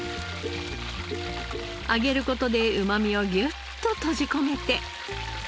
揚げる事でうまみをギュッと閉じ込めて。